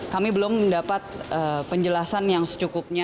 kami belum mendapat penjelasan yang secukupnya